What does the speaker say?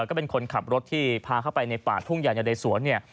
ก็เป็นคนขับรถที่พาเข้าไปในป่าทุ่งใหญ่ในสวนเนี่ย